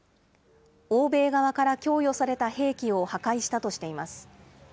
欧米側から供与された兵器を破壊したとしています。